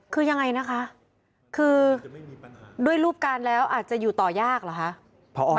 คือยังไงนะคะคือด้วยรูปการณ์แล้วอาจจะอยู่ต่อยากเหรอคะ